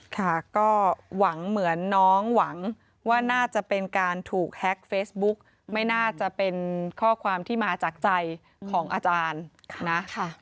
ค่ะก็หวังเหมือนน้องหวังว่าน่าจะเป็นการถูกแฮ็กเฟซบุ๊กไม่น่าจะเป็นข้อความที่มาจากใจของอาจารย์นะ